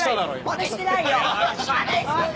まねしてないって！